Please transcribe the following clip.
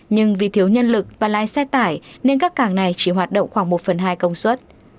nhưng vì thiếu nhân lực và lái xe tải nên các cảng này chỉ hoạt động khoảng một phần hai công suất